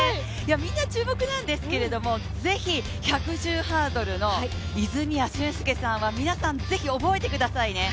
みんな注目なんですけど、ぜひ１１０ｍハードルの泉谷駿介さんは皆さん、是非覚えてくださいね。